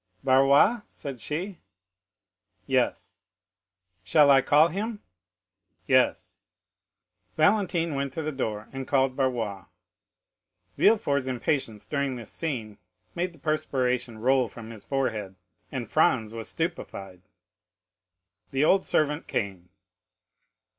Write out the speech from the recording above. "Barrois?" said she. "Yes." "Shall I call him?" "Yes." Valentine went to the door, and called Barrois. Villefort's impatience during this scene made the perspiration roll from his forehead, and Franz was stupefied. The old servant came.